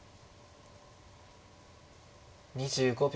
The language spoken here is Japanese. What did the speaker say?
２５秒。